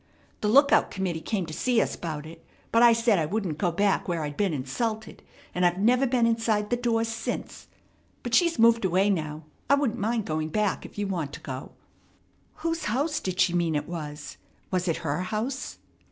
The lookout committee came to see us 'bout it; but I said I wouldn't go back where I'd been insulted, and I've never been inside the doors since. But she's moved away now. I wouldn't mind going back if you want to go." "Whose house did she mean it was? Was it her house?"